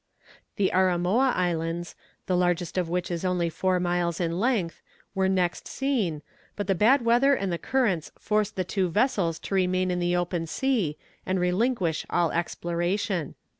The Arimoa Islands, the largest of which is only four miles in length, were next seen, but the bad weather and the currents forced the two vessels to remain in the open sea and relinquish all exploration.